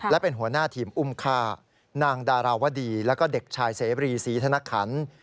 และเป็นหัวหน้าทีมอุ้มฆ่านางดาราวดีแล้วก็เด็กชายเสบรีศรีธนคัน